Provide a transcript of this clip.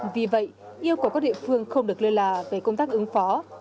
vì vậy yêu cầu các địa phương không được lơ là về công tác ứng phó